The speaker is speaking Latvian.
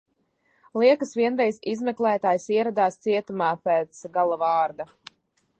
"Liekas vienreiz izmeklētājs ieradās cietumā pēc "gala vārda"."